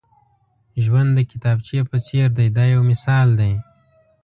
ژوند د کتابچې په څېر دی دا یو مثال دی.